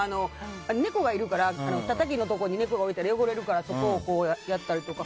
猫がいるからたたきのところに猫がいたら汚れるからそこをこうやったりとか。